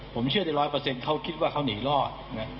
ผมเชื่อได้๑๐๐เขาคิดว่าเขาหนีรอด